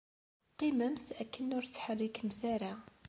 Qqimemt akken ur ttḥerrikemt ara.